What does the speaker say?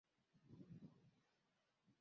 Mji wa kisasa umekua sana ngambo ya Mji Mkongwe